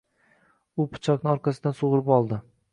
U pichoqni orqasidan sug‘urib oldi.